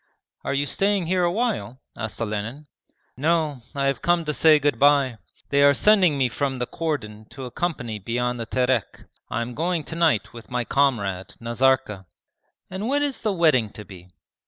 'Are you staying here awhile?' asked Olenin. 'No, I have come to say good bye. They are sending me from the cordon to a company beyond the Terek. I am going to night with my comrade Nazarka.' 'And when is the wedding to be?'